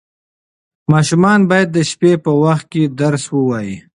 ماشومان باید د شپې په وخت کې درس ووایي.